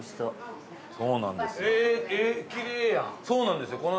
そうなんですよ。